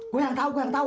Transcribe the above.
gue yang tau gue yang tau